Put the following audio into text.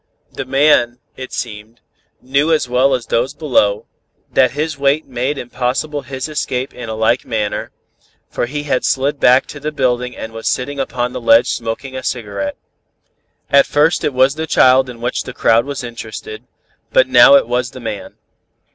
"The man, it seemed, knew as well as those below, that his weight made impossible his escape in a like manner, for he had slid back to the building and was sitting upon the ledge smoking a cigarette. "At first it was the child in which the crowd was interested, but now it was the man.